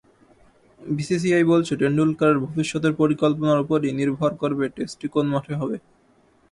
BCCI বলেছে, টেন্ডুলকারের ভবিষ্যতের পরিকল্পনার ওপরই নির্ভর করবে টেস্টটি কোন মাঠে হবে।